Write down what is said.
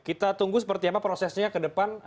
kita tunggu seperti apa prosesnya ke depan